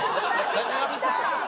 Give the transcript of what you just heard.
坂上さん！